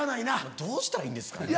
どうしたらいいんですかね？